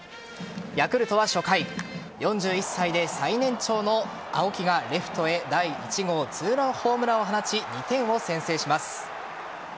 ヤクルトは初回４１歳で最年長の青木がレフトへ第１号２ランホームランを放ち２点を先制します。